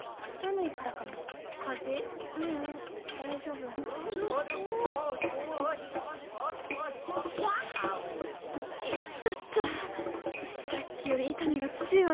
いたたさっきより痛みが強い。